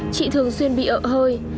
chị thường xuyên bị ợ hơi